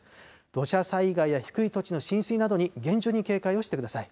土砂災害や低い土地の浸水などに厳重に警戒をしてください。